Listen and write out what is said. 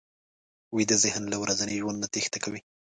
ویده ذهن له ورځني ژوند نه تېښته کوي